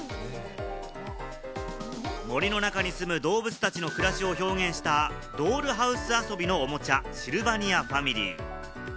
森の中に住む動物たちの暮らしを表現したドールハウス遊びのおもちゃ、シルバニアファミリー。